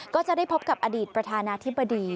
ก็จะได้พบกับอดีตประธานาธิบดี